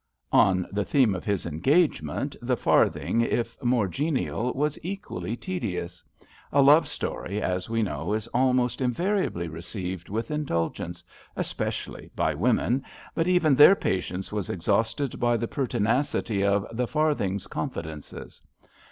On the theme of his engagement, The Farthing," if more genial, was equally tedious. A love story, as we know, is almost invari ably received with indulgence, especially by women, but even their patience was exhausted by the pertinacity of " The Farthing's " con fidences.